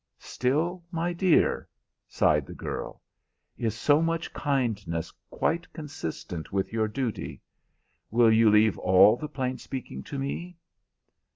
"Still 'my dear'?" sighed the girl. "Is so much kindness quite consistent with your duty? Will you leave all the plain speaking to me?"